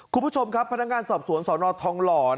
คุณผู้ชมครับพนักงานสอบสวนสนทองหล่อ